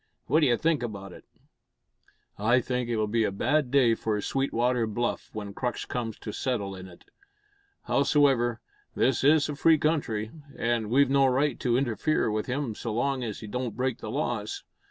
What d'you think about it?" "I think it'll be a bad day for Sweetwater Bluff when Crux comes to settle in it. Howsoever, this is a free country, an' we've no right to interfere with him so long as he don't break the laws.